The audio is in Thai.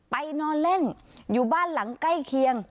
ไปนอนเล่นอยู่บ้านหลังใกล้เคียง